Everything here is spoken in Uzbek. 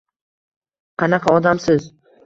Qanaqa odamsiz?